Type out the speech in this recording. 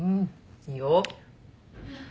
いいよ。